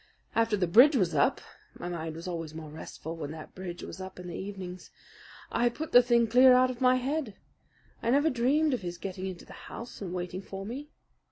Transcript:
After the bridge was up my mind was always more restful when that bridge was up in the evenings I put the thing clear out of my head. I never dreamed of his getting into the house and waiting for me.